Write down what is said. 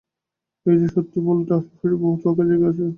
এইযে, সত্যি বলতে, আশেপাশে বহুত ফাঁকা জায়গা আছে।